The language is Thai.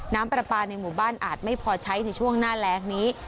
น้ำปลาปลาในหมู่บ้านอาจไม่พอใช้ในช่วงหน้าแรงนี้